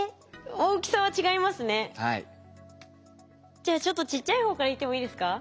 じゃあちょっとちっちゃい方からいってもいいですか？